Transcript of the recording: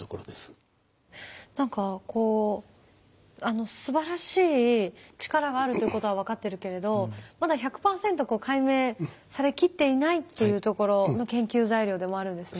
何かこうすばらしい力があるということは分かっているけれどまだ１００％解明されきっていないっていうところの研究材料でもあるんですね。